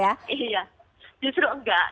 iya justru enggak